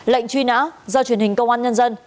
lệnh truy nã do truyền hình công an nhân dân